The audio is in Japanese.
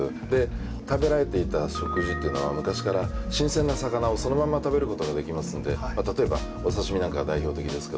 食べられていた食事っていうのは昔から新鮮な魚をそのまま食べることができますんで例えばお刺身なんかが代表的ですけども。